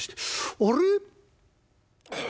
「あれ？